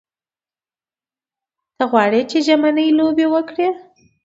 ته غواړې چې ژمنۍ لوبې وکړې.